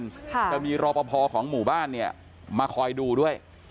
จะมีรอบพอของหมู่บ้านมาคอยดูด้วย